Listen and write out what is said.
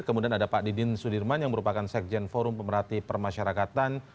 kemudian ada pak didin sudirman yang merupakan sekjen forum pemerhati permasyarakatan